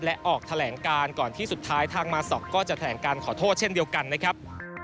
และออกแถลงการก่อนที่สุดท้ายทางมาซอกก็จะแถลงการขอโทษเช่นเดียวกันนะครับ